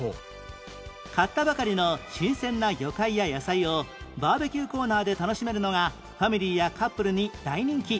買ったばかりの新鮮な魚介や野菜をバーベキューコーナーで楽しめるのがファミリーやカップルに大人気